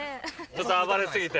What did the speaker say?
ちょっと暴れ過ぎて。